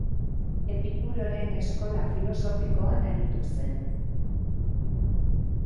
Epikuroren eskola filosofikoan aritu zen.